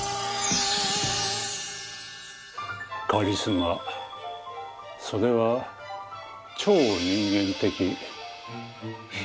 カリスマそれは超人間的非